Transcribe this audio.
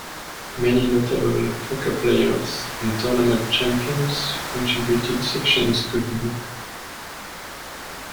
Many notable poker players and tournament champions contributed sections to the book.